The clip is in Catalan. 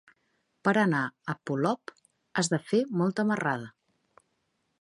Per anar a Polop has de fer molta marrada.